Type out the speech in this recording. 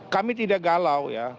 kami tidak galau ya